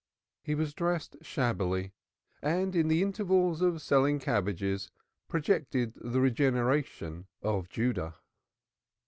He was dressed shabbily, and in the intervals of selling cabbages projected the regeneration of Judah.